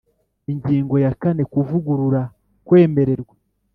Ingingo ya kane Kuvugurura kwemererwa